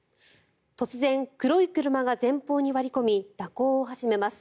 突然、黒い車が前方に割り込み蛇行を始めます。